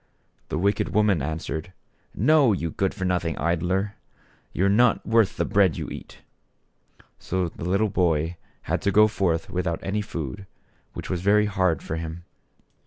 The wicked woman answered : "No, you good for nothing idler! you are not worth the bread you eat." So the little boy had to go forth without any food, which was very hard for him.